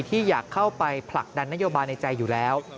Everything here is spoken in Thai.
ที่อยากเข้าไปผลักดันนโยบายในใจอยู่แล้ว